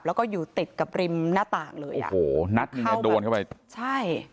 แล้วก็อยู่ติดกับริมหน้าต่างเลยอ่ะโอ้โหนัดหนึ่งอ่ะโดนเข้าไปใช่